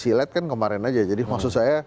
silet kan kemarin aja jadi maksud saya